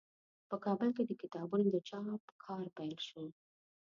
په کابل کې د کتابونو د چاپ کار پیل شو.